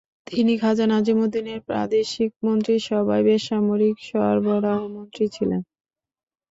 তিনি খাজা নাজিমুদ্দীনের প্রাদেশিক মন্ত্রিসভায় বেসামরিক সরবরাহ মন্ত্রী ছিলেন।